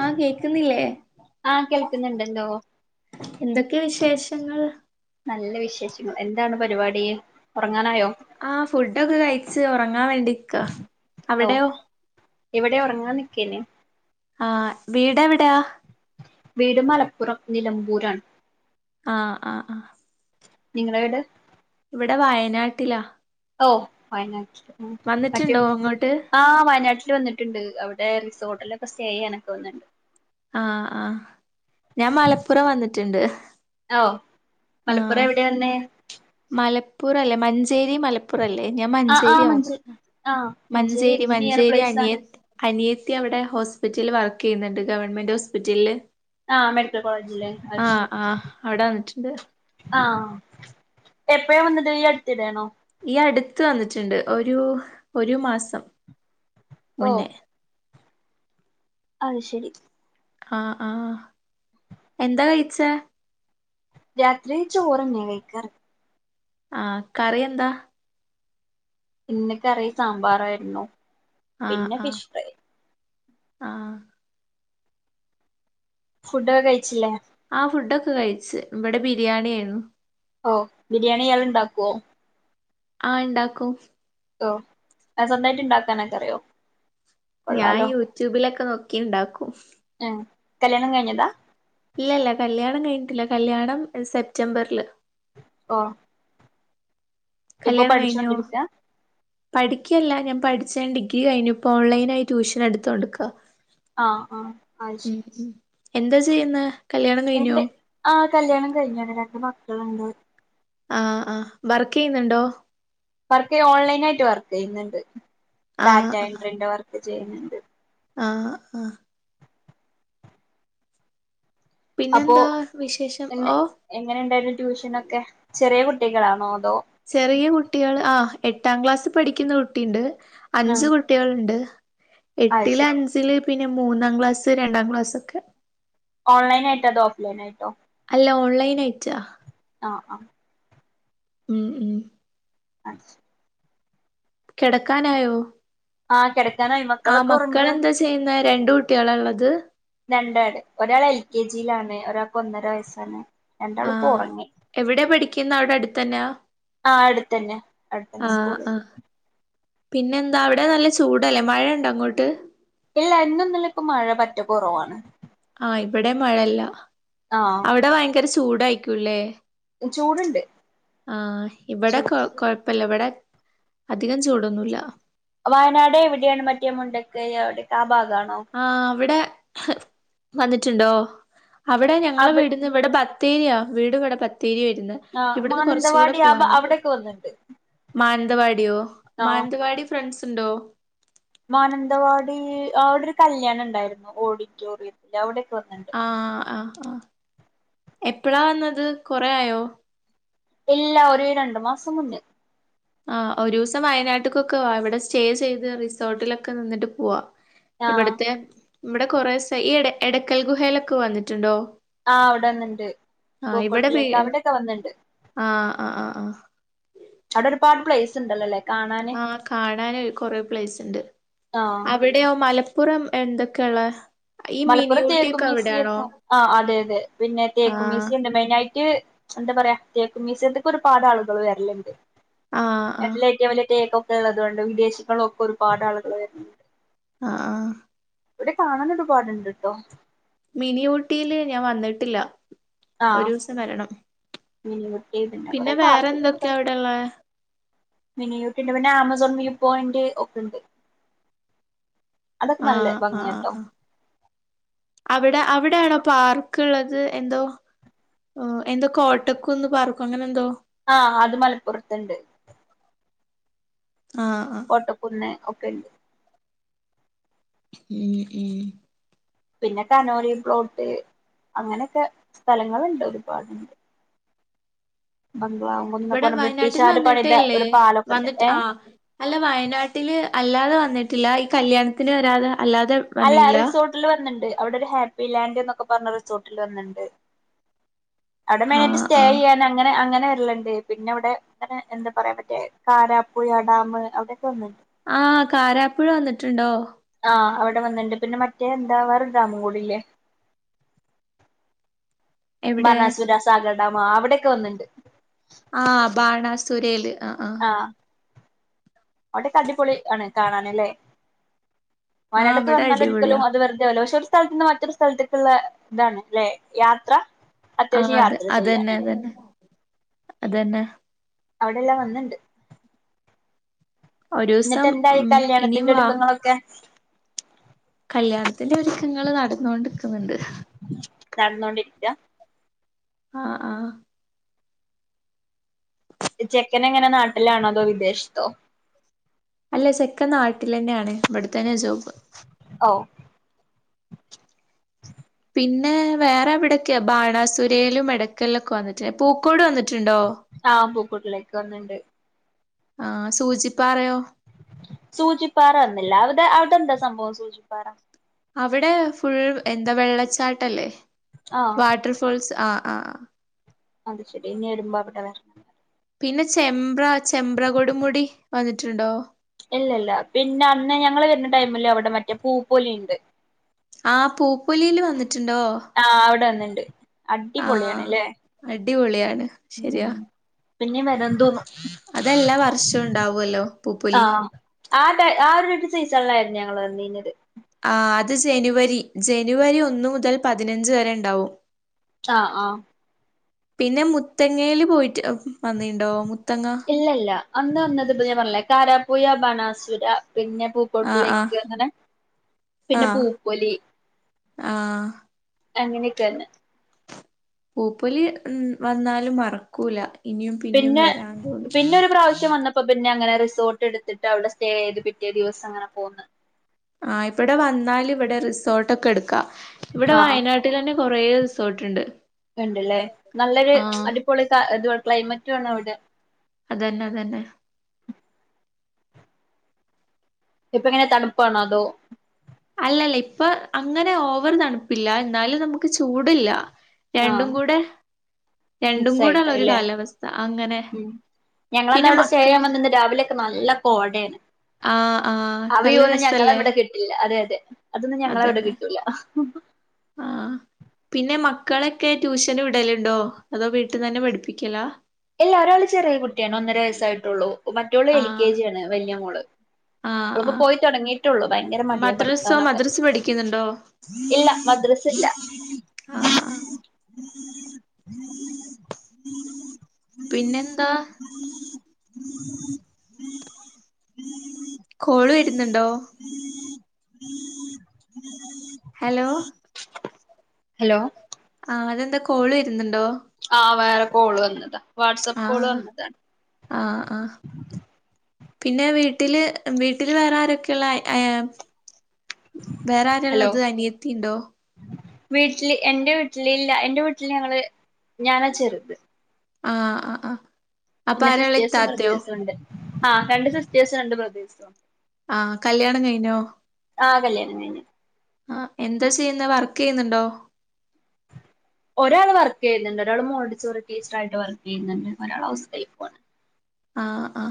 ആ കേക്ക്ന്നില്ലേ ആഹ് കേൾക്കുന്നുണ്ടല്ലോ എന്തൊക്കെ വിശേഷങ്ങൾ നല്ല വിശേഷങ്ങൾ എന്താണ് പരിപാടി ഒറങ്ങാനായോ ആ ഫുഡോക്കെ കയ് ച്ചൊറ ങ്ങാൻ വേണ്ടിക്ക അവിടെയൊ ക്കെന്നെ ആ വീടെവെടാ വീട് മലപ്പുറം നിലമ്പൂരാണ് ആഹ് ആഹ് ആഹ് നിങ്ങളെ വീട് ഇവിടെ വയനാട്ടിലാ ഓഹ് വയനാ മറ്റും വന്നിട്ടുണ്ടോ അങ്ങോട്ട് ആ വയനാട്ടിൽ വന്നിട്ടുണ്ട് അവിടെ റി റോട്ടിലൊക്കെ സ്റ്റേ ചെയ്യാനൊക്കെ [unintelligible] ആഹ് ആഹ് ഞാൻ മലപ്പുറം വന്ന്ട്ട് ട്ട്ണ്ട് ഓഹ് മലപ്പുറം എവിടെയാ വന്നെ? മലപ്പുറ അല്ല മഞ്ജേ മഞ്ചേരി മലപ്പുറ അല്ലേ ഞാൻ ആഹ് ആഹ് മഞ്ചേരിയാ മഞ്ചേ ആഹ് മഞ്ചേരി നിയർ മഞ്ചേരി പ്ലേസ് അനിയ ആണ് അനിയത് അനിയത്തി അവിടെ ഹോസ്പിറ്റലില് വർക്ക് ചെയ്യുന്നുണ്ട് ഗവൺമെന്റ് ഹോസ്പിറ്റലില് ആഹ് മെഡിക്കൽ കോളേജ്ല്ലേ അത് ആഹ് ശെരി ആഹ് അവിടെ വന്നിട്ടുണ്ട് ആഹ് എപ്പഴ വന്നത് ഈ അടുത്തിടെയാണോ? ഈ അടുത്ത് വന്നിറ്റ്ണ്ട് ഒരു ഒരു മാസം ഓ മുന്നെ അത് ശരി ആഹ് ആഹ് എന്താ കഴിച്ചേ? രാത്രി ചോറന്നെ കയ്ക്കാർ ആഹ് കറി എന്താ? ഇന്ന് കറി സാമ്പാറായിരുന്നു ആഹ് പിന്നെ ആഹ് ഫിഷ് ഫ്രൈ ആഹ് ഫുഡൊകെ കഴിച്ചില്ലേ? ആ ഫുഡൊക്കെ കഴിച്ചു ഇവിടെ ബിരിയാണി ആയിരുന്നു. ഓ ബിരിയാണി ഇയാൾ ഉണ്ടാക്കുവോ? ആഹ് ഇണ്ടാക്കും ഓ ൻ സ്വന്തായിമായിട്ട് ഇണ്ടാക്കാനൊക്കെ അറിയോ? ഞാൻ കൊള്ളാലോ യൂട്യൂബിലൊക്കെ നോക്കി ക്കി ഇണ്ടാക്കും ഉം കല്യാണം കഴിഞ്ഞതാ? ഇല്ലല്ല കല്യാണം കഴിഞ്ഞിട്ടില്ല കല്യാണം സെപ്റ്റംബറില് ഓ ഇപ്പൊ കല്യാണം കഴിഞ്ഞോ പഠിച്ചോണ്ടിരിക്ക? പഠിക്കല്ല ഞാൻ പഠിച്ച് ഡിഗ്രി കഴിഞ്ഞുപ്പോ ഓൺലൈനായി ട്യൂഷൻ എടുത്ത കൊടുക്ക ആഹ് ആഹ് അയ്ശരി എന്താ ചെയ്യുന്നെ? കല്യാണം കഴിഞ്ഞോ എൻ്റെ ആഹ് കല്ല്യാണം കഴിഞ്ഞു [unintelligible] ആണ ആഹ് ആഹ് വർക്ക് ചെയ്യുന്നുണ്ടോ? വർക്ക് ചെയ്യ ഓൺലൈൻ ആയിട്ട് വർക്ക് ചെയ്യുന്നുണ്ട് ആഹ് ഡാറ്റ ആഹ് എൻട്രിൻ്റെ വർക്ക്. ചെയ്യുന്നുണ്ട്. ആഹ് ആഹ് അപ്പോ പിന്നെന്താ വിശേഷം പിന്നെ ഓഹ് എങ്ങനെ ഉണ്ടായിരുന്നു ട്യൂഷനൊക്കെ ചെറിയ കുട്ടികൾ കുട്ടികളാണോ അതോ ചെറിയ കുട്ടികൾ ആ എട്ടാം ക്ലാസ്സിൽ പഠിക്കുന്ന കുട്ടിയുണ്ട് ഉം അഞ്ചു കുട്ടികളുണ്ട് അത് എട്ടില് ശരി അഞ്ചില് പിന്നെ മൂന്നാം ക്ലാസ്, രണ്ടാം ക്ലാസ് ഒക്കെ ഓൺലൈൻ ആയിട്ടോ അതോ ഓഫ്ലൈൻ ആയിട്ടോ? ഇല്ല ഓൺലൈൻ അയട്ട ആഹ് ആഹ് ഉം ഉം അ കിടക്കാനായോ? ആഹ് കിട ആ മക്കളെന്താ ചെയ്യുന്നെ രണ്ടൂട് ട്ട്യാള എള്ളത് രണ്ടാട് ഒരാൾ എൽ കെ ജി ജിലാണ് ഒരാക്ക് ഒന്നര വയസ്സാണ് ആ രണ്ടാളും ഇപ്പോ ഉറങ്ങി എവിടെ പഠിക്കുന്ന അവിടെ അടുത്തന്നെയ ആ അടുത്തന്നെ അടുത്തന്നെ ആ സ്കൂളിൽ ആ പിന്നെ എന്താ അവിടെ നല്ല ചൂടല്ലേ മഴ ഇണ്ട അങ്ങോട്ട് ഇല്ല എന്നന്നും ഇല്ല മഴ പറ്റെ കൊറവാണ് ആഹ് ഇവിടേം മഴേല്ല ആഹ് അവിടെ വൈയങ്കര ചൂ ചൂടായിക്കൂല്ലേ ചൂടുണ്ട് ആ ഇവിടെ ചൂട് കൊ കൊഴപ്പില്ല ഇവടെ അധികം ചൂടൊന്നു ഇല്ല വയനാടേവിടെയാണ് മറ്റെ മുണ്ടക്കൈ അവിടെക്ക ആ ബാഗ ആ അവിടെ വന്നിട്ട് ട്ടിണ്ടോ അവിടെ ഞങ്ങള അവി വീടിന്ന് ഇവിടെ ബക് തീരിയ വീടിവടെ പത് തീരി വരുന്ന ആ ഇവിടുന്ന് കൊറച്ച് കൂടെ മാനന്തവാടി ആ പോവാനിണ്ട് അവിടെക്കെ വന്നിണ്ട് മാന വാടിയോ ആ മാനന്തവാടി ഫ്രൺസ് സ്ണ്ടോ മാനന്തവാടി അവിടെ ഒരു കല്യാണ എണ്ടായിരുന്നു ഓഡിറ്റോറിയത്തിൽ അവിടെ ആ ആ ആ എപ്പഴാ വന്നത് കൊറേ ആയോ എല്ലാ ഒര് രണ്ടു മാസം മുന്നേ ആ ഒരു ദിവസം വയനാട്ടക്കൊക്കെ ആ ഇവിടെ സ്റ്റേ ചെയ്ത് റിസോർട്ടിലൊക്കെ നിന്നിട്ട് പോവാ ആഹ് ഇവിടുത്തെ ഇവിടെ കുറേ സ്സെ ഈ എട എടയ്ക്കൽ ഗുഹയിലൊക്കെ വന്നിട്ടുണ്ടോ ആ അവിടെ വന്നിണ്ട് ആഹ് ഇവിടെ വീ പൂക്കോട്ടിലേക്ക് അവിടെക്കെ വന്നിണ്ട് ആ അവിട ഒരുപാട് പ്ലേസ്ണ്ടല്ലോല്ലേ ആ കാണാന് കൊറെ പ്ലേസ് ഇണ്ട് ആഹ് അവിടെയൊ മല പ്പുറം എന്തൊക്കെയെള്ളെ മലപ്പുറം തേക്കും മ്യുസിയക്കും ആ അതെ അതെ പിന്നെ തേക്കും ആഹ് മ്യുസിയം ഇണ്ട് മെയിനായിട്ട് എന്താ പറയാ തേക്കും മ്യുസിയത്തിക്ക് ഒരുപാട് ആളുകൾ വരലെണ്ട് ആഹ് [unintelligible] ആഹ് ഏറ്റവും വലിയ തേക്കൊ ഉള്ളത്ുകൊണ്ട് വിദേശങ്ങളൊക്കെ ഒരുപാട് ആളുകൾ വരുന്നുണ്ട് ആഹ ആഹ ഇവിടെ കാണ പാടുണ്ട്ട്ടോ മിനി ഊട്ടിയില് ഞാൻ വന്നിട്ടില്ല ഒരു ദിവസം വരണം ഉം [unintelligible] പിന്നെ വേറെ പാർത്തണ്ട് എന്തൊക്കെയാ അവിടെള്ളെ മിനിയൂട്ടിന്റെ പിന്നെ ആമസോൺ മ പോയിന്റ് ഒപ്പുണ്ട് ആഹ ആ ആ ആ അവിടെ അവിടെയാണോ പാർക്ക് ഉള്ളത് എന്തോ എന്തോ കോട്ടക്കന്ന് പാർക്കും അങ്ങനെ എന്തോ ആഹ അത് മലപ്പുറത്തണ്ട് ആഹ് ആഹ് ഓട്ടപ്പന്നെ ക ഉം ഉം [unintelligible] പിന്നെ കനോലി പ്ലോട്ട് അങ്ങനെയൊക്കെ സ്ഥലങ്ങളുണ്ട് ഒരുപാടുണ്ട് ബംഗ്ലാവുന്നൊക്കെ ഇവിടെ പറഞ്ഞ വയനാട്ടിൽ ബ്രിട്ടീഷുകാര് പണിത വന്നിട്ടേല്ലേ ഒരു പാലൊക്കെ ഉണ്ട് വന്നിട്ട് ഏ ആ അല്ല വയനാട്ടില് അല്ലാതെ വ വന്നിട്ടില്ല ഈ കല്യാണത്തിന് വരാതെ അല്ലാതെ അല്ല വന്നീല്ല റിസോർട്ടില് വന്നിണ്ട് അവിടെ ഒരു ഹാപ്പി ലാൻഡ് എന്നൊക്കെ പറഞ്ഞ റിസോർട്ടിൽ വന്നിണ്ട് അവിടെ മെന ആട്ട് ആഹ് സ്റ്റേ ആഹ് ചെയ്യാൻ അനെ അങ്ങനെ ണ്ട് പിന്നെ ഇവിടെ അങ്ങനെ എന്താ പറയാ മറ്റേ കാരാപ്പുഴ ഡാം അവിടെൊക്കെ ഒന്നണ്ട് ആ് കാരാപ്പുഴ വന്നിട്ടുണ്ടോ ആഹ് അവിടെ വന്നിണ്ട് പിന്നെ മറ്റേ എന്താവാറ രാാമൻ കൂടില്ലേ എവിടെ ബനസവിരാ സാഗര ണ്ടാമ അവിടെയൊക്കെ വന്നിണ്ട് ആഹ ബാണ സുരല് ആഹ അവിടെ കടിപൊളി ആണ് കാണാനല്ലേ ആഹ് വയനാടൊെ അവിടെ വന്നാല എടുക്കലോ അടിപൊളിയാ അത് വെറുതെലോ സ്ഥലത്തന്ന് മറ്റൊരു സ്ഥലത്തേക്കുള്ള ഇതാണ് അല്ലെ യാത്ര ആഹ അത്യാവശ്യം അത് യാത്ര അതന്നെ ചെയ്യാനുണ്ട് അതന്നെ അതെന്നെ അവിടെല്ലാം വന്നിണ്ട് എന്നിട്ട് ഒരൂസം എന്തായി ഉം ഇനിയും കല്യാണത്തിന്റെ വാ ഒരുക്കങ്ങളൊക്കെ കല്യാണത്തിന്റെ ഒരുക്കങ്ങൾ നട നോണ്ടിക്കുന്നുണ്ട് [unintelligible] ആ ആ ചെക്കൻ എങ്ങനെ നാട്ടിലാണോതോ വിദേശത്തോ അല്ല സെക്കൻ നാട്ടിൽ തന്നെയ ആാണ് ഇവിടുത്തന്നെ ജോബ് [unintelligible] പിന്നെ വേറെ എവിടക്കെയ ബാണാസുരലും മടക്കലുംക്കെ വന്നിട്ടില്ല പൂക്കോട് വന്നിട്ട് ഉണ്ടോ കൂട്ടിലേക്ക് വന്നിണ്ട് ആഹ് സൂചിപ്പാറയോ സൂചിപ്പാറ വന്നില്ലാവിത് അവി എന്ത സംഭവം സൂചിപ്പാരം അവിടെ ഫുൾ എന്താ വെള്ളച്ചാട്ടല്ലേ ആ വാട്ടർ ഫോൾസ് ആഹ് ആഹ ആ അത് ശരി ഇനി എടുമ്പാവിട്ട വര പിന്നെ ചെമ്പ്ര ചെമ്പ്ര കൊടി മുടി വന്നിട്ടുണ്ടോ ഇല്ല ഇല്ല പിന്നെ അന്ന് ഞങ്ങള് വരുന്ന ടൈമല്ലേ അവിടെ മറ്റേ പൂ പോലെുണ്ട് ആ പൂപ്പൊലിൽ വന്നിട്ട് ആഹ് അവിടെ വന്നണ്ട് ഉണ്ട് ആഹ് അടിപൊളിയാണ്ല്ലേ അടിപൊളിയാണ് ശരിയാ ഉ പിന്നെ വറെ തോന്നും അതെല്ലാ വർഷവും ഉണ്ടാവുമല്ലോ പൂപ്പൊലി ആഹ ആ ആ ഒരു സീസണില ആയിരുന്നു ഞങ്ങൾ വീന്നത് ആ അത് ജനുവരി ജനുവരി ഒന്ന മുതൽ പതിനഞ്ച് വരെ ഉണ്ടാവും ആഹ ആഹ പിന്നെ മുത്തങ്ങയില് പോയിട്ട് നന്ദിയണ്ടോ മുത്തങ്ങ ഇല്ല ഇല്ല അന്ന് വന്നത് ഇപ്പ ഞാൻ പറഞ്ഞില്ലേ കാരാപ്പുയ ബണാസുര പിന്നെ ആഹ് ആഹ് പൂക്കോട്ടിലേക്ക്ങ്ങനെ പിന്നെ ആഹ് പൂപ്പൊലി ആഹ് അങ്ങനെയൊക്കെന്നെ പൂപ്പൊലി വന്നാലും മറക്കൂല ഇനിയും പിന്നെയും പിന്നെ വരാൻ തോന്നും പിന്നെ ഒരു പ്രാവശ്യം വന്നപ്പോ പിന്നെ അങ്ങനെ റിസോർട്ട് എടുത്തിട്ട് അവിടെ സ്റ്റേ ചെയ്ത് പിറ്റിയ ദിവസം അങ്ങനെ പോകന്ന് ആ ഇവിടെ വന്നാൽ ഇവിടെ റിസോർട്ട ഒക്കെ എടുക്കാ ഇവിടെ ആഹ് വയനാട്ടിൽ തന്നെ കുറെേ റിസോർട്ട്ണ്ട് ഉണ്ടല്ലേ നല്ലൊരു അടിപൊളി ക്ലൈമറ്റ് വേണോ അവിടെ അതെന്നെ അതെന്നെ ഇപ്പങ്ങനെ തണുപ്പാണോ അതോ അല്ലല്ല ഇപ്പൊ അങ്ങനെ ഓവർ തണുപ്പില്ല എന്നാലും നമുക്ക് ചൂടില്ല ആ രണ്ടും കൂടെ രണ്ടും കൂടെള്ള ഒരു മിക്സായിട്ടല്ലേ കാലാവസ്ഥ അങ്ങനെ ഉം പിന്നെ ഞങ്ങളന്നവിടെ സ്റ്റേ മക്കൾ ചെയ്യാൻ വന്നന്ന് രാവിലൊക്കെ നല്ല കോടയാരുന്നു ആഹ് ആഹ് നല്ല അവിയോ ഒന്നും രസല്ലേ ഞങ്ങളവിടെ കിട്ടില്ല അതെ അതെ അതൊന്നും ഞങ്ങടെവിടെ അതന്നെ കിട്ടൂല്ല ആഹ് പിന്നെ മക്കളൊക്കെ ട്യൂഷന് വിടലുണ്ടോ അതോ വീട്ട്ന്നെ പഠിപ്പിക്കലാ എല്ലാ ഒരാള് ചെറിയ കുട്ടിയാണ് ഒന്നരവയസ്സായിട്ടുള്ളൂ മറ്റോള് എൽ ആഹ് കെ ജി ആണ് വലൃ മോള് ആഹ് ഇവള്പ്പോ ആഹ് പോയിത്തൊടങ്ങിട്ടുള്ളൂ ഭയങ്കര മടിയാ മദ്രസോ പഠിക്കാനൊക്കെ മദ്രസ് പഠിക്കുന്നുണ്ടോ ഇല്ല മദ്രസ ഇല്ല ആഹ് ആഹ് [unintelligible] പിന്നെന്താ [unintelligible] കോള് വരുന്നുണ്ടോ [unintelligible] ഹലോ ഹലോ അതെന്താ കോള് വരുന്നുണ്ടോ ആ വേറെ കോള് വന്നതാ വാട്സപ്പ് കോള് ആഹ് വന്നതാണ് ആഹ് ആഹ് പിന്നെ വീട്ടില് വീട്ടില് വേറെ ആരൊക്കെയുള്ളേ അയാ വേറെ ഹലോ ആരാള്ളത് അനിയത്തിയുണ്ടോ വീട്ടില് എൻറെ വീട്ടിലില്ല എന്റെ വീട്ടില് ഞങ്ങള് ഞാനാ ചെറുത് ആ ആ ആ പിന്നെ സിസ്റ്റേഴ്സും ബ്രദേഴ്സും ഉണ്ട് ആ രണ്ട് സിസ്റ്റേഴ്സും രണ്ട് ബ്രദേഴ്സും ആ കല്യാണം കഴിഞ്ഞോ ആ കല്യാണം കഴിഞ്ഞു ആ എന്താ ചെയ്യുന്നെ വർക്ക് ചെയ്യുന്നുണ്ടോ ഒരാൾ വർക്ക് ചെയ്യുന്നുണ്ട് ഒരാൾ മോഡിച്ചറി ടീച്ചറായിട്ട് വർക്ക് ചെയ്യുന്നുണ്ട് ഒരാൾ ഹൗസ് വൈഫാണ് ആ ആ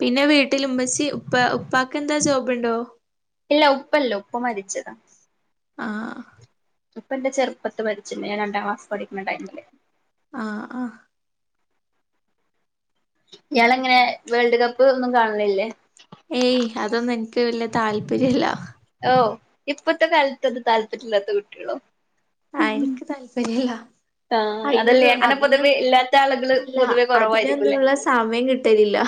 പിന്നെ വീട്ട് വീട്ടില് ഉമ്മച്ചി ഉപ്പ ഉപ്പാക്കെന്താ ജോബുണ്ടോ ഇല്ല ഉപ്പ്ല്ലൃ ഉപ്പാ മരിച്ചത് ആ ഉപ്പ എന്റെ ചെറുപ്പത്ത് മരിച്ചത് ഞാൻ രണ്ടാം ക്ലാസ് പഠിക്കുന്ന ടൈമില് ആ ആ ഞാനങ്ങനെ വേൾഡ്കപ്പ് ഒന്നും കാണണില്ലേ ക്ക് വല്ലൃ താല്പര്യംല്ലാ ഓ ഇപ്പത്തെ കാലത്ത് അത് താല്പര്യല്ലാത്ത കുട്ടികളോ എനിക്ക് താല്പര്യല്ല ആഹ് അതല്ലേ അതിനൊന്നും അങ്ങനെ പൊതുവെ അതിനൊന്നും ഇല്ലാത്ത ആളുകള് അല്ല പൊതുവെ കുറവായിരിക്കുംല്ലേ അതിനൊന്നുള്ള സമയം കിട്ടരില്ല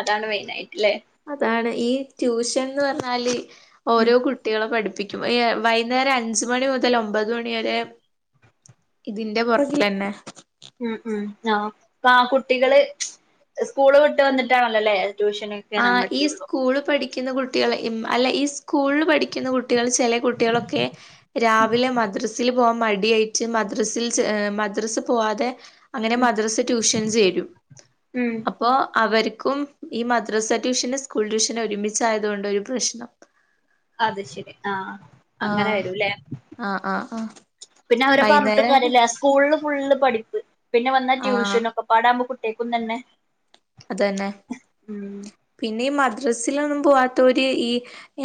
അതാണ് മെയിനായിട്ട്ല്ലേ അതാണ് ഈ ട്യൂഷൻ ന്ന് പറഞ്ഞാല് ഉം ഓരോ കുട്ടികളെ പഠിപ്പിക്കും വകേര അഞ്ചച്ണ മുതൽ ഒമ്പത് മണി ഇതിന്റെ പുറക തന്നെ ഉം ഉം ആഹ് ആ കുട്ടികള് സ്കൂള് വിട്ട് വന്നിട്ടാണല്ലോല്ലേ ട്യൂഷന് ആ കേറാൻ ഈ പറ്റുള്ളൂ സ്കൂള് പഠിക്ക ുന്ന കുട്ടികളെ അല്ലെ ഈ സ്കൂളിൽ പഠിക്കുന്ന കുട്ടികൾ ചെില കുട്ടികളൊക്കെ രാവിലെ മദ്രസൽ പോകൻ മടിയായിട്ട് മദ്രസിൽ മദ്രസ് പോവാാതെ അങ്ങനെ ഉം മദ്രസ് ട്യൂഷൻസ് ചരും ഉം അപ്പൊ അവർക്ക് ഈ മാതി ത്രസ ട്യൂഷന് സ്കൂൾ ട്യൂഷന് ഒരുമിച്ചായതത് കൊണ്ട്ൊ ഒരു പ്രശ്നം അത് ശരി ആഹ ആ അങ്ങനെ വരൂല്ലേ ആ ആ ആ പിന്നെ അവരെ പറഞ്ഞിട്ട് വൈകുന്നേരാണ് കാര്ല്ലേ സ്കൂള ഫുള്ള് പഠിപ്പ് പിന്നെ വന്നാ ആ ട്യൂഷൻ ഒക്കൊമ്പ്പോ ട്ടക്കും തന്നെ അതന്നെ ഉം പിന്നെയ മ ബ്രസ്സിലൊന്നും പോവാത്ത ഒരുര് ഈ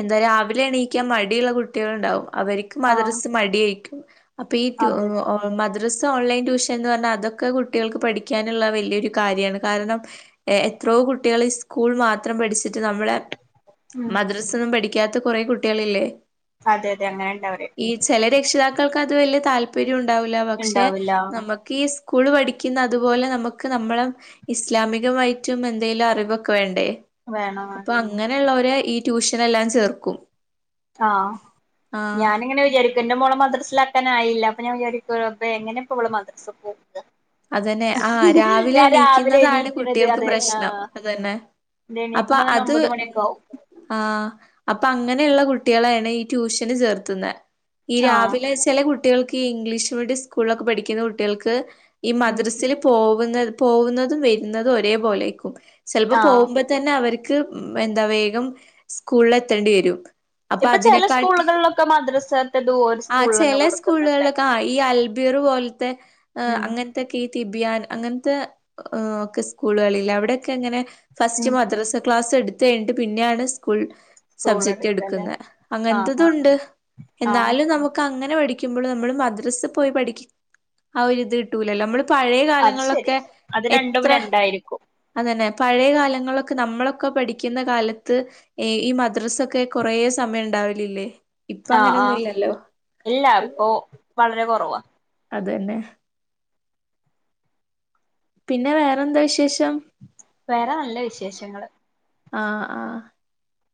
എന്താ രാവിലെ എണീക്കാൻ മടിയുള്ള കുട്ടികൾ ഉണ്ടാവും അവർക്ക് ആഹ് മദ്രസ് മടിിയായിക്കും അപ്പൊ ഈ അതെ അതെ മ അ്രസ് ഓൺലൈൻ ട്യൂഷൻ എന്ന് പറഞ്ഞാൽ അതൊക്കെ കുട്ടികൾക്ക് പഠിക്കാനുള്ള വലിയൊരു കാര്യമാണ് കാരണം എത്രയോ കുട്ടികൾ സ്കൂൾ മാത്രം പഠിച്ചിട്ട് നമ്മള ഉം മദ്രസന്നും പഠിക്ക പിക്കാത്ത കുറെേ കുട്ടികളില്ലേ അതെ അതെ അങ്ങനെ ഇണ്ട അവര് ഈ ചില രക്ഷിതാക്കൾക്ക് അത് വലിയ താല്പര്യം ഉണ്ടാവൂില്ല പക്ഷെ ഇണ്ടാവില്ല നമ്മുക്ക് സ്കൂൾ പഠിക്കുന്ന അതുപോലെ നമുക്ക് നമ്മളെ ഇസ്ലാമികമായി ഏറ്റും എന്തേലും അറിവൊക്കെ വേണ്ടേ വേണം വേണം അപ്പൊ അങ്ങനെയുള്ളവര് ഈ ട്യൂഷന എല്ലാം ചേർക്കും ആഹ ആഹ് ഞാനിങ്ങനെ വിചാരിക്കന്റെ മോള മാത്രം മസിലാക്കാന ആയില്ല അപ്പൊ ഞാൻഈ എങ്ങനെ ഇപ്പോള്ള മദ്ര പോുന്നത് അതന്നെ ആ രാവിലെ എണീക്കുന്നതാണ് എണീക്കണത് കുട്ടികൾക്ക് അതെ പ്രശ്നം അതന്നെ അപ്പൊ എണീക്കുമ്പോ തന്നെ അത് ഒമ്പത് ഉ മണിയൊക്കെ ആവും ആ അപ്പൊ അങ്ങനെയുള്ള കുട്ടികള ട്യൂഷന് ചേർത്തുന്ന ഈ ആഹ് രാവിലെ ചെില കുട്ട കുട്ടികൾക്ക് ഈ ഇംഗ്ലീഷ് മീഡിയം സ്കൂളിലൊക്കെ പഠിക്കുന്ന കുട്ടികൾക്ക് ഈ ഉം മദ്രസിൽ പോ പോകുന്ന പോകുന്നതും വരുന്നതും ഒരേപോലെക്കും ചിലപ്പോ ആഹ് പോകുമ്പോ തന്നെ അവർ ക്ക്എന്താ വേഗം സ്കൂളിൽ എത്തെണ്ടി വരും അപ്പൊ ഇപ്പൊ ചെല അതിനെക്കാട്ടി സ്കൂളുകളിലൊക്കെ മദ്രസേൽത്തദ് ഓല് സ്ക്കൂളി തന്നെ കൊടുക്കുന്നുണ്ട്. [unintelligible] തെ അ് ഉം അങ്ങനെ ഈ തിബിയാൻ അങ്ങനത്തെ ഒക്കെ സ്കൂളുകളില്ലേ അവിടെക്കെ അങ്ങനെ ഫസ്റ്റ് ഉം മദ്രാസ ക്ലാസ് എടുത്ത് എടുത്ത് കഴിഞ്ഞട്ട് പിന്നെയാണ് സ്കൂൾ സ്കൂൾ സബ്ജക്ട് എടുക്കല്ലേ എടുക്കുന്നേ ആഹ് അങ്ങനത്തെതും ആഹ് ഉണ്ട് ആഹ് എന്നാലും നമുക്ക് അങ്ങ അങ്ങനെ പഠിക്കുമ്പള് നമ്മൾ മദ്രസെ പോയി പഠിക്കുന്ന ആഒരിത് കിട്ടൂല നമ്മള് പഴയ അത് കാലങ്ങളിലൊക്കെ ശരിയാ അത് രണ്ടും എത്ര രണ്ടായിരിക്കും അതന്നെ പഴയ കാലങ്ങളൊക്കെ നമ്മളൊക്കെ പഠിക്കുന്ന കാലത്ത് ഈ മദ്രസൊക്കെ കൊറേ സമയം ഉണ്ടാവലില്ലേ? ഇപ്പ ആഹ് അങ്ങനൊന്നും ആഹ് ഇല്ലല്ലോ ഇല്ല ഇപ്പൊ വളരെ കുറവാ അതെന്നെ പിന്നെ വേറെന്താ വിശേഷം വേറെ നല്ല വിശേഷങ്ങള് ആഹ് ആഹ്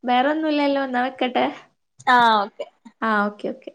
വേറൊന്നുംല്ലല്ലോന്നാ വെക്കട്ടെ ആഹ് ഓക്കെ ആഹ് ഓക്കെ ഓക്കെ